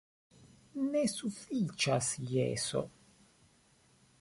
Ne sufiĉas jeso.